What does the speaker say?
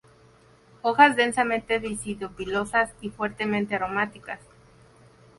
Hojas densamente víscido-pilosas y fuertemente aromáticas.